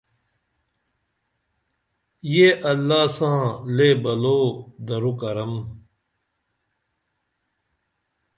یہ اللہ ساں لے بلو درو کرم